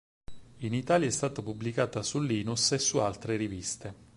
In Italia è stata pubblicata su "Linus" e su altre riviste.